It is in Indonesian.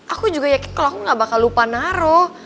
aku juga yakin kalau aku gak bakal lupa naro